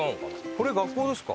これ学校ですか？